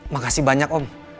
makasih banyak om